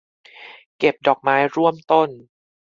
เก็บดอกไม้ร่วมต้น